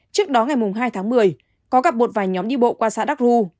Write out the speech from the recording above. trước đó ngày hai tháng một mươi có gặp một vài nhóm đi bộ qua xã đắc ru